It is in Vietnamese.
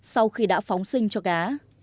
sau khi đã phóng sinh cho cá